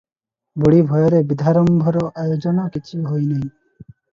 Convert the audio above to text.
ବୁଢ଼ୀ ଭୟରେ ବିଧ୍ୟାରମ୍ଭର ଆୟୋଜନ କିଛି ହୋଇ ନାହିଁ ।